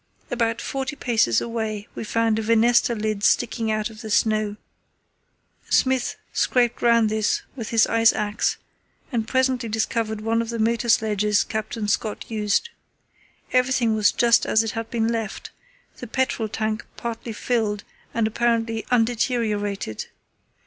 About forty paces away we found a venesta lid sticking out of the snow. Smith scraped round this with his ice axe and presently discovered one of the motor sledges Captain Scott used. Everything was just as it had been left, the petrol tank partly filled and apparently undeteriorated.